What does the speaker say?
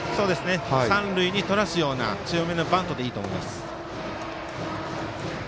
三塁にとらすような強めのバントでいいと思います。